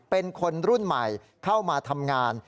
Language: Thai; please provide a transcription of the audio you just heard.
เป็นคนรุ่นใหม่เข้ามาทำงาน